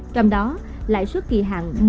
trong đó lãi suất kỳ hạn